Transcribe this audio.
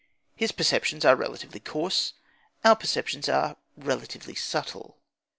His perceptions are relatively coarse; our perceptions are relatively subtle.